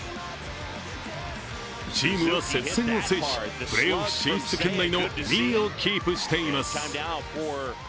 チームは接戦を制し、プレーオフ進出圏内の２位をキープしています。